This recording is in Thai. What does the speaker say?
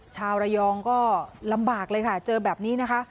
ชาวระยองก็ลำบากเลยค่ะเจอแบบนี้นะคะ